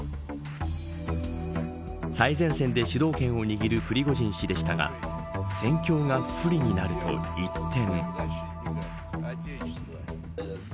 最前線で主導権を握るプリゴジン氏でしたが戦況が不利になると一転。